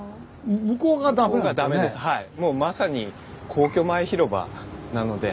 もうまさに皇居前広場なので。